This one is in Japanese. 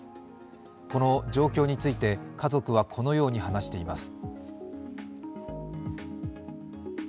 この状況について家族はこのように話しています。